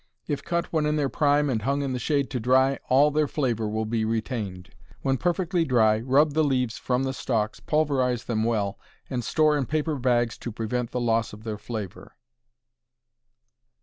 If cut when in their prime and hung in the shade to dry, all their flavor will be retained. When perfectly dry, rub the leaves from the stalks, pulverize them well, and store in paper bags to prevent the loss of their flavor.